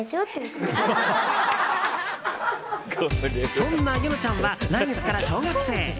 そんな柚乃ちゃんは来月から小学生。